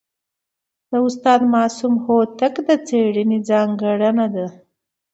د استاد معصوم هوتک د څېړني ځانګړنه ده.